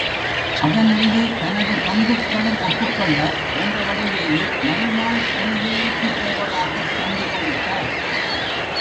அதன்மீது தனது பந்துக்களும் ஒப்புக்கொள்ள, ரங்கவடிவேலு மறுநாள் நெல்வேலிக்குப் போவதாகத் தந்தி கொடுத்தார்.